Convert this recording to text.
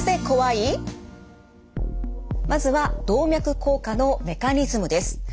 まずは動脈硬化のメカニズムです。